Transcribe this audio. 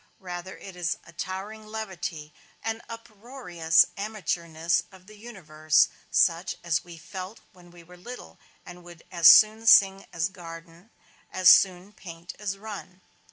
Rather it is a towering levity, an uproarious amateurishness of the universe, such as we felt when we were little, and would as soon sing as garden, as soon paint as run.